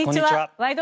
「ワイド！